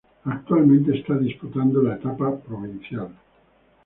Actualmente está disputando la etapa provincial.